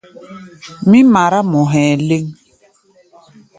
Mí mará mɔ hɛ̧ɛ̧ léŋ.